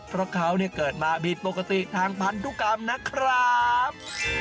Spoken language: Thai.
เพราะเขาเกิดมาผิดปกติทางพันธุกรรมนะครับ